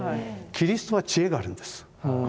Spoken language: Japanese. キリストは知恵があるんです。